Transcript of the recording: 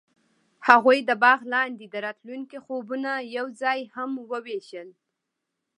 هغوی د باغ لاندې د راتلونکي خوبونه یوځای هم وویشل.